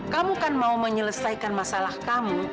kamu kan mau menyelesaikan masalah kamu